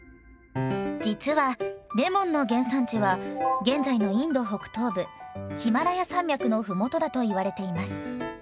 実はレモンの原産地は現在のインド北東部ヒマラヤ山脈のふもとだと言われています。